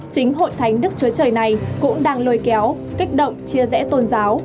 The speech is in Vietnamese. chính hội thánh đức chúa trời này cũng đang lôi kéo kích động chia rẽ tôn giáo